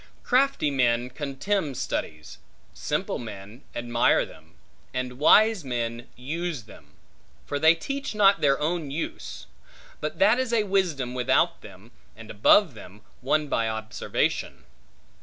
Crafty men contemn studies, simple men admire them, and wise men use them; for they teach not their own use; but that is a wisdom without them, and above them, won by observation.